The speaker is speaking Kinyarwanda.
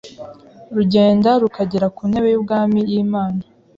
rugenda rukagera ku ntebe y’ubwami y’Imana.